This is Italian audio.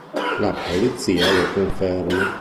La polizia lo conferma.